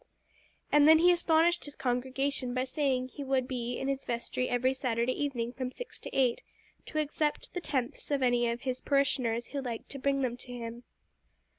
And then he astonished his congregation by saying he would be in his vestry every Saturday evening from six to eight, to accept the tenths of any of his parishioners who liked to bring them to him.